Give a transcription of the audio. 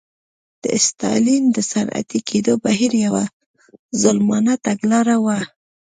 د ستالین د صنعتي کېدو بهیر یوه ظالمانه تګلاره وه